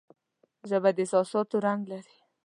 ژبه د احساساتو رنگ لري